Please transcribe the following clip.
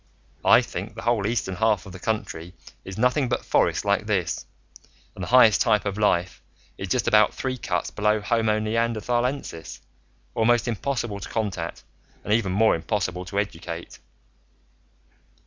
"I think the whole eastern half of the country is nothing but forest like this, and the highest type of life is just about three cuts below Homo Neanderthalensis, almost impossible to contact, and even more impossible to educate."